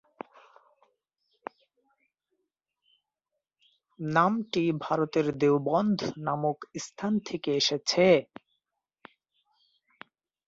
নামটি ভারতের দেওবন্দ নামক স্থান থেকে এসেছে।